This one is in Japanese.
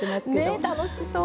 ねえ楽しそう。